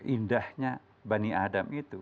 indahnya bani adam itu